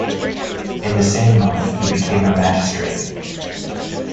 In the same month he became a magistrate.